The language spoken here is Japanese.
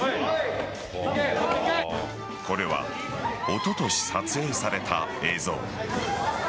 これはおととし撮影された映像。